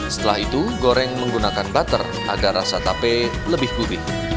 setelah itu goreng menggunakan butter agar rasa tape lebih gurih